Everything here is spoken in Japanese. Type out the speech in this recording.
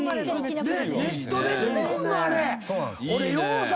いいよね。